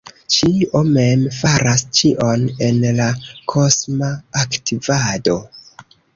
Ĉinio mem faras ĉion en la kosma aktivado.